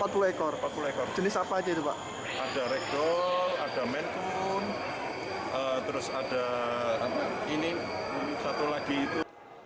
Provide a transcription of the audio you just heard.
empat puluh empat puluh ekor ekor jenis apa aja itu pak ada regdoll ada maine coon terus ada ini satu lagi itu